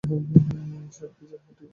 সব ঠিক আছে ভাই।